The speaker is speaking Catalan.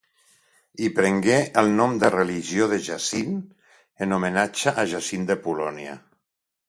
Hi prengué el nom de religió de Jacint, en homenatge a Jacint de Polònia.